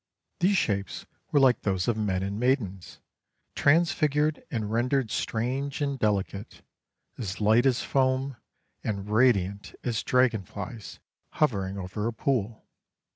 These shapes were like those of men and maidens, transfigured and rendered strange and delicate, as light as foam, and radiant as dragonflies hovering over a pool.